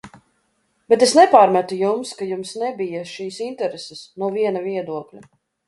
Bet es nepārmetu jums, ka jums nebija šīs intereses, no viena viedokļa.